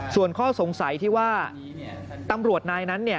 ส่วนข้อสงสัยที่ว่าตำรวจนายนั้น